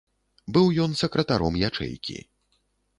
Быў ён сакратаром ячэйкі.